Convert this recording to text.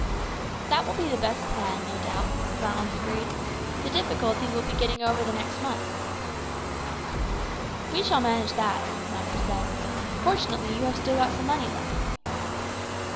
"That will be the best plan, no doubt," Ronald agreed; "the difficulty will be the getting over the next month." "We shall manage that," Malcolm said; "fortunately you have still got some money left."